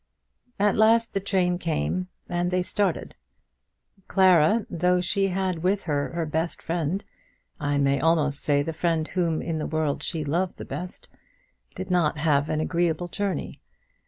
At last the train came and they started. Clara, though she had with her her best friend, I may almost say the friend whom in the world she loved the best, did not have an agreeable journey.